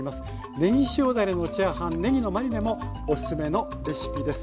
ねぎ塩だれのチャーハンねぎのマリネもおすすめのレシピです。